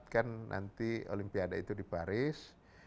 dua ribu dua puluh empat kan nanti olimpiade itu di paris